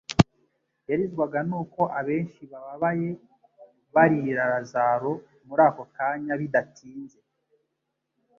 Yarizwaga nuko abenshi bababaye baririra Lazaro muri ako kanya, bidatinze,